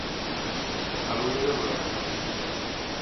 A l'ull de l'huracà.